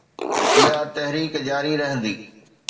اها تحريڪ جاري رهندي